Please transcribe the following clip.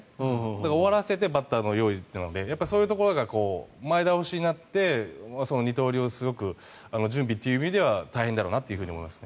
終わらせてバッターの用意というのでそういうところが前倒しになって二刀流はすごく準備という意味では大変だろうなと思います。